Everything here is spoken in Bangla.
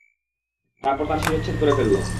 তারপর তাঁর শিরোচ্ছেদ করে ফেলল।